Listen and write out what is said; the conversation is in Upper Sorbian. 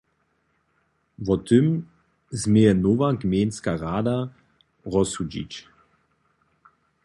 Wo tym změje nowa gmejnska rada rozsudźić.